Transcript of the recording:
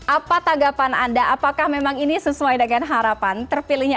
apa tanggapan anda apakah memang ini sesuai dengan harapan terpilihnya